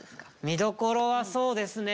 見どころはそうですね